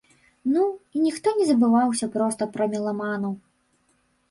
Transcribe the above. Ну, і ніхто не забываўся проста пра меламанаў!